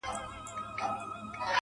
پرون مي ستا په ياد كي شپه رڼه كړه.